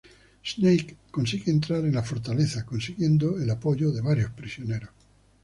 Snake consigue entrar en la fortaleza, consiguiendo el apoyo de varios prisioneros.